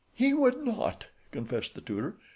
"He would not," confessed the tutor.